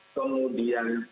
itu sudah ada di bnp